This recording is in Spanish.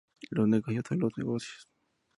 Los negocios son los negocios